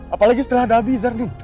apalagi setelah ada abisar nina